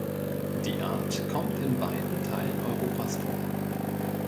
Die Art kommt in weiten Teilen Europas vor.